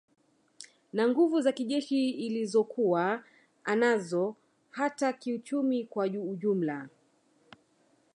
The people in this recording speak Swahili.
Na nguvu za kijeshi ilizokuwa nazo hata kiuchumi kwa ujumla